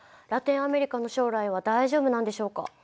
ラテンアメリカの将来は大丈夫なんでしょうか？